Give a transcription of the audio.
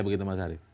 begitu mas harif